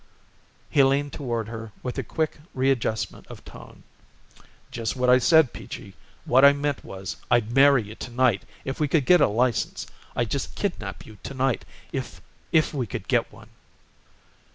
He leaned toward her with a quick readjustment of tone. "Just what I said, Peachy. What I meant was I'd marry you to night if we could get a license. I'd just kidnap you to night if if we could get one."